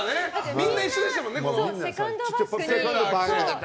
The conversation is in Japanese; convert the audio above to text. みんな一緒でしたもんね。